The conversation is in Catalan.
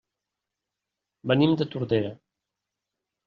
Venim de Tordera.